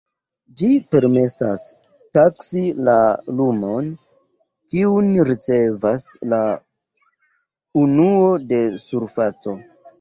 Ĝi permesas taksi la lumon, kiun ricevas la unuo de surfaco.